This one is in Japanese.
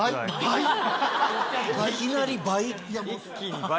いきなり倍？